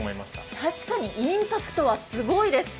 確かにインパクトはすごいです。